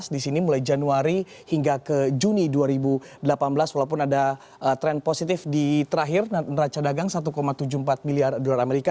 di sini mulai januari hingga ke juni dua ribu delapan belas walaupun ada tren positif di terakhir neraca dagang satu tujuh puluh empat miliar dolar amerika